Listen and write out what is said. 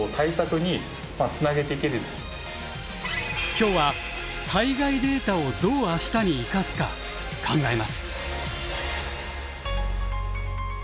今日は「災害データをどう明日に生かすか」考えます。